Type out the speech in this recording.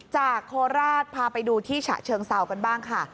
โคราชพาไปดูที่ฉะเชิงเซากันบ้างค่ะ